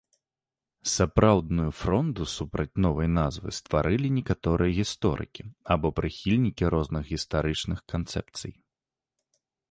Сапраўдную фронду супраць новай назвы стварылі некаторыя гісторыкі або прыхільнікі розных гістарычных канцэпцый.